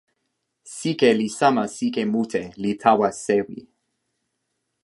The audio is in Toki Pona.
sike li sama sike mute, li tawa sewi.